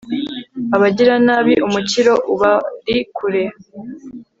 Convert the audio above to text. abagiranabi umukiro ubari kure